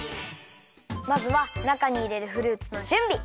まずはなかにいれるフルーツのじゅんび！